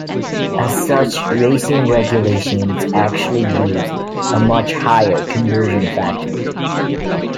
As such, racing regulations actually use a much higher conversion factor.